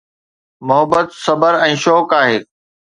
محبت صبر ۽ شوق آهي